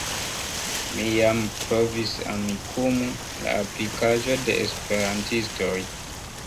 Mi jam provis Amikumu, la aplikaĵo de Esperantistoj.